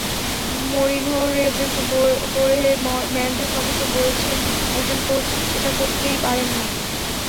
মরিনহোর agent হোর্হে Mendes অবশ্য বলছেন, একজন কোচ এটা করতেই পারেন না।